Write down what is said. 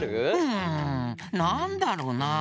うんなんだろうなあ。